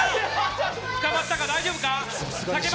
捕まったか、大丈夫か？